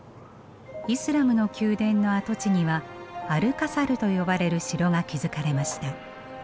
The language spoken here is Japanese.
イスラムの宮殿の跡地にはアルカサルと呼ばれる城が築かれました。